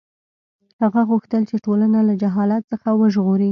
هغه غوښتل چې ټولنه له جهالت څخه وژغوري.